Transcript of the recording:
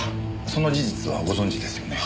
その事実はご存じですよね？